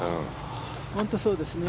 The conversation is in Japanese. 本当にそうですね。